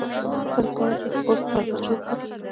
څنګه کولی شم په کور کې برګر جوړ کړم